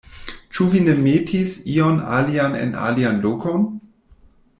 Ĉu vi ne metis ion alian en alian lokon?